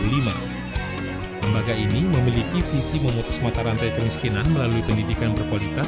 lembaga ini memiliki visi memutus mata rantai kemiskinan melalui pendidikan berkualitas